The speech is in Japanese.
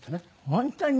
本当に？